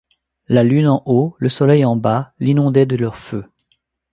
La Lune en haut, le Soleil en bas, l’inondaient de leurs feux.